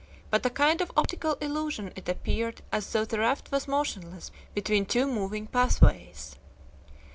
By a kind of optical illusion it appeared as though the raft was motionless between two moving pathways.